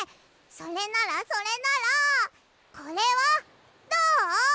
それならそれならこれはどう？